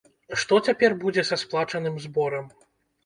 Што цяпер будзе са сплачаным зборам?